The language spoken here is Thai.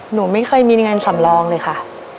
หนูไม่เคยมีงานสำรองเลยค่ะ